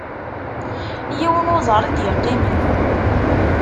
Yiwen uẓar i d-yeqqimen.